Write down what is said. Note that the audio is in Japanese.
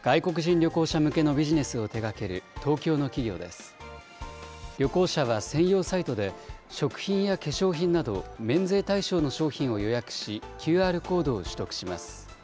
旅行者は専用サイトで、食品や化粧品など、免税対象の商品を予約し、ＱＲコードを取得します。